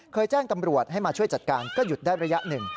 แจ้งตำรวจให้มาช่วยจัดการก็หยุดได้ระยะหนึ่ง